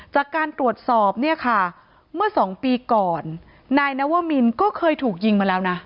จากการตรวจสอบเนี่ยค่ะเมื่อสองปีก่อนนายนวมินก็เคยถูกยิงมาแล้วนะ